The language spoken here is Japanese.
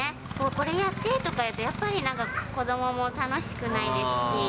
これやってとか言うと、やっぱりなんか、子どもも楽しくないです